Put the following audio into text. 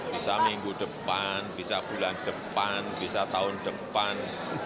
bisa minggu depan bisa bulan depan bisa tahun depan